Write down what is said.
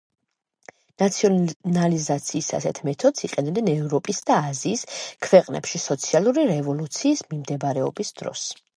ნაციონალიზაციის ასეთ მეთოდს იყენებდნენ ევროპის და აზიის ქვეყნებში სოციალური რევოლუციის მიმდინარეობის დროს.